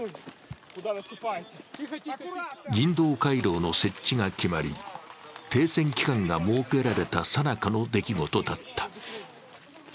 人道回廊の設置が決まり、停戦期間が設けられたさなかの出来事だった。